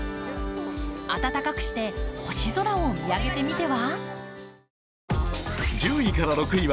暖かくして星空を見上げてみては？